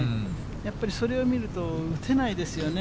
やっぱりそれを見ると、打てないですよね。